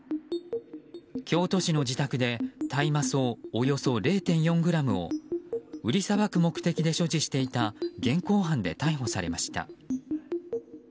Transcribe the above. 京都市の自宅で大麻草およそ０．４ｇを売りさばく目的で所持していた現行犯で逮捕されました。